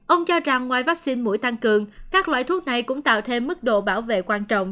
ông cho rằng ngoài vaccine mũi tăng cường các loại thuốc này cũng tạo thêm mức độ bảo vệ quan trọng